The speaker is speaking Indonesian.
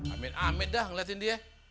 amin amin dah ngeliatin dia